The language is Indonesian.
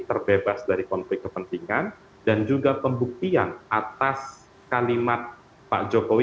terbebas dari konflik kepentingan dan juga pembuktian atas kalimat pak jokowi